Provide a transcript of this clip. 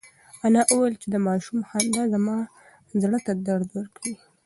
انا وویل چې د ماشوم خندا زما زړه ته درد ورکوي.